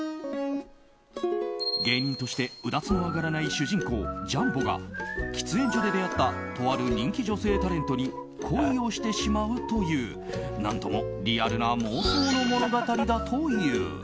芸人として、うだつの上がらない主人公ジャンボが喫煙所で出会ったとある人気女性タレントに恋をしてしまうという何ともリアルな妄想の物語だという。